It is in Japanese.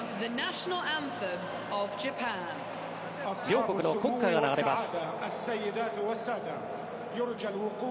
両国の国歌が流れます。